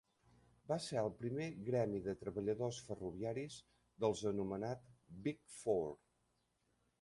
Va ser el primer gremi de treballadors ferroviaris dels anomenats "Big Four".